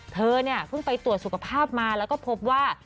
เธอเนี่ยเพิ่งไปตรวจสุขภาพมาแล้วก็พบว่า